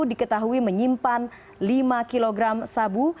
diketahui menyimpan lima kg sabu